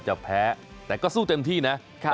จะแพ้แต่ก็สู้เต็มที่นะ